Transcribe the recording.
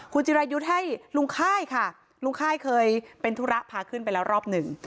คุณจิรายุทธ์ให้ลุงค่ายค่ะลุงค่ายเคยเป็นธุระพาขึ้นไปแล้วรอบหนึ่ง